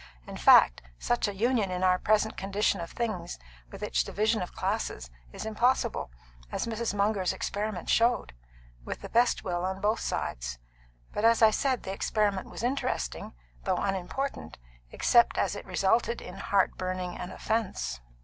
In fact, such a union in our present condition of things, with its division of classes, is impossible as Mrs. Munger's experiment showed with the best will on both sides. But, as I said, the experiment was interesting, though unimportant, except as it resulted in heart burning and offence."